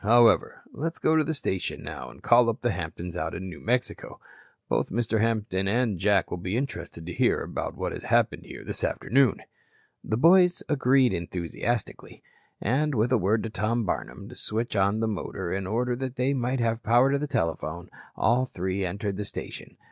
However, let's go into the station now and call up the Hamptons out in New Mexico. Both Mr. Hampton and Jack will be interested to hear about what has happened here this afternoon." The boys agreed enthusiastically, and with a word to Tom Barnum to switch on the motor in order that they might have power to telephone, all three entered the station.